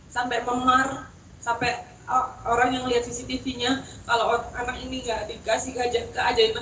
sampai memar sampai orang yang lihat cctv nya kalau anak ini enggak dikasih ke ajak keajaran